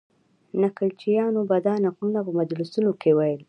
نکلچیانو به دا نکلونه په مجلسونو کې ویل.